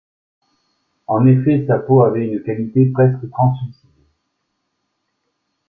En effet, sa peau avait une qualité presque translucide.